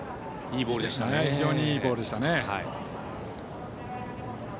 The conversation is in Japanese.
非常にいいボールでしたね。